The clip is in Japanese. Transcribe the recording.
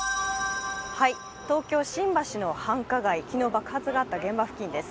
東京・新橋の繁華街、昨日、爆発のあった繁華街です。